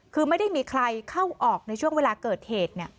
คือไม่ได้มีใครเข้าออกในช่วงเวลาเกิดเหตุ